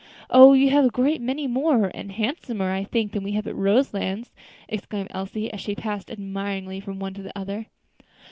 Oh! you have a great many more, and handsomer, I think, than we have at Roselands," exclaimed Elsie, as she passed admiringly from one to another.